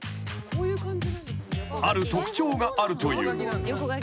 ［ある特徴があるという］